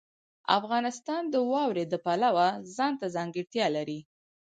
افغانستان د واوره د پلوه ځانته ځانګړتیا لري.